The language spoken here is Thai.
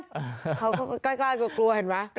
เขาก็กล้ากล้ากลัวกลัวเห็นไหม